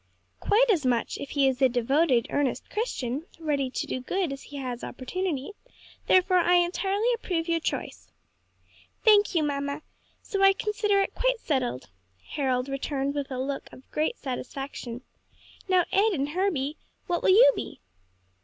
"Quite as much if he be a devoted, earnest Christian, ready to do good as he has opportunity: therefore I entirely approve your choice." "Thank you, mamma. So I consider it quite settled," Harold returned with a look of great satisfaction. "Now, Ed and Herbie, what will you be?"